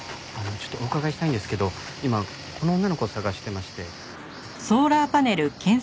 ちょっとお伺いしたいんですけど今この女の子を捜してまして。